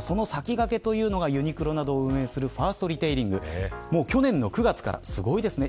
その先駆けが、ユニクロなどを運営するファーストリテイリング去年の９月からすごいですね。